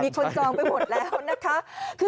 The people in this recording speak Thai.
คนจองไปหมดแล้วนะคะ